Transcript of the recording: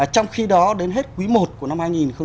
trong khi đó đến hết quý một của năm hai nghìn hai mươi bốn